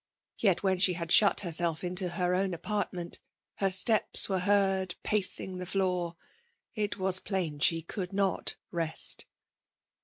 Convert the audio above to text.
Yet i^hen she had diut hcr^ B6lf into her own apartment, her steps, were ' heard pacing the floor: it was plain she could not rest.